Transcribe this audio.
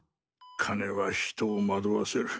金は人を惑わせる。